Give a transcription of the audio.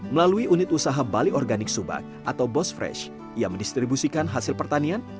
melalui unit usaha bali organik subak atau bosfresh ia mendistribusikan hasil pertanian